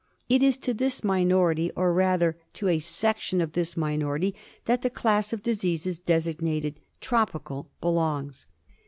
It is to this minority, or, rather, to a section of this minority, that the class of diseases designated Tropical " belongs.